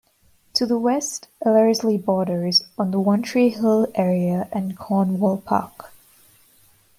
To the west, Ellerslie borders on the One Tree Hill area and Cornwall Park.